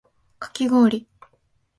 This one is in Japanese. かき氷